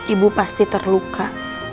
ibu pasti terluka